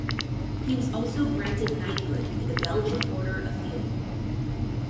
He was also granted knighthood in the Belgian Order of Leopold.